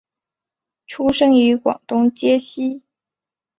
出生于广东揭西。